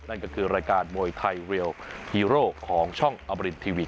นั่นก็คือรายการมวยไทยเรียลฮีโร่ของช่องอบรินทีวี